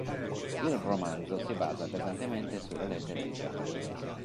Il romanzo si basa pesantemente sulle lettere di Jefferson.